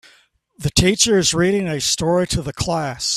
The teacher is reading a story to the class